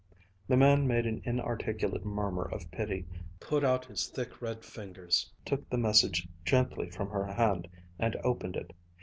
The man made an inarticulate murmur of pity put out his thick red fingers, took the message gently from her hand, and opened it.